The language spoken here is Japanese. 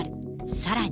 さらに。